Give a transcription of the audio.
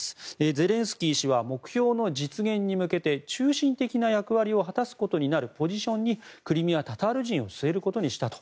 ゼレンスキー氏は目標の実現に向けて中心的な役割を果たすことになるポジションにクリミア・タタール人を据えることにしたと。